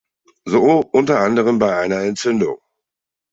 So unter anderem bei einer Entzündung.